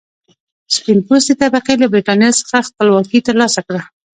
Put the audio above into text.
سپین پوستې طبقې له برېټانیا څخه خپلواکي تر لاسه کړه.